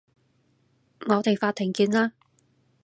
我哋法庭見啦